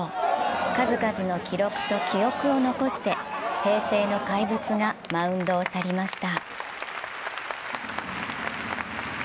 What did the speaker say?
数々の記録と記憶を残して、平成の怪物がマウンドを去りました。